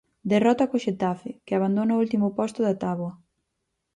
Derrota co Xetafe, que abandona o último posto da táboa.